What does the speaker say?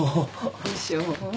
でしょう？